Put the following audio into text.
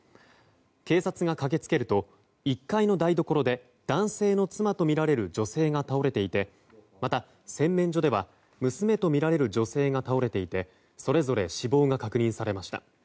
警察が駆け付けると１階の台所で男性の妻とみられる女性が倒れていてまた、洗面所では娘とみられる女性が倒れていてそれぞれ死亡が確認されました。